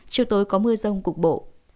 chiều tối có mưa rông cục bộ